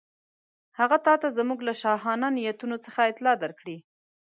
هغه تاته زموږ له شاهانه نیتونو څخه اطلاع درکړې.